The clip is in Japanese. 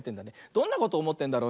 どんなことおもってんだろうね。